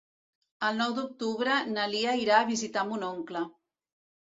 El nou d'octubre na Lia irà a visitar mon oncle.